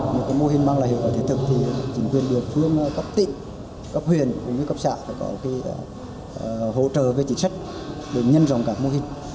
những mô hình mang lại hiệu quả thiết thực thì chính quyền địa phương cấp tịnh cấp huyền cấp xã có hỗ trợ về chính sách để nhân dòng các mô hình